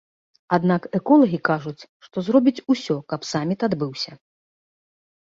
Аднак эколагі кажуць, што зробяць усё, каб саміт адбыўся.